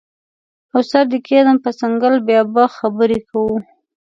او سر دې کیږدم په څنګل بیا به خبرې کوو